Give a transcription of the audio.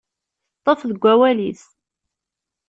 Teṭṭef deg wawal-is.